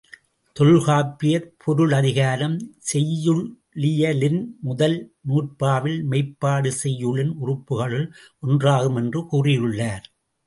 தொல்காப்பியர் பொருளதிகாரம் செய்யுளியலின் முதல் நூற்பாவில், மெய்ப்பாடு செய்யுளின் உறுப்புகளுள் ஒன்றாகும் என்று கூறியுள்ளார்.